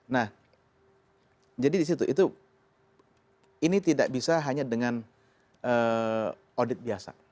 nah jadi di situ itu ini tidak bisa hanya dengan audit biasa